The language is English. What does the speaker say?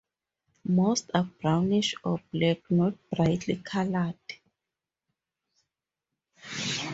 Most are brownish or black, not brightly colored.